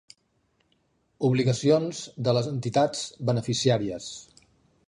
Obligacions de les entitats beneficiàries.